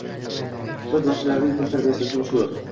Ustoz baxshilarning til tarbiyasi usuli shu.